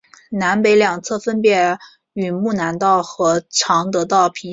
南北两侧分别与睦南道和常德道平行。